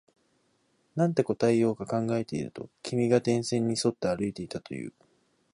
なんて答えようか考えていると、君が電線に沿って歩いていたと言う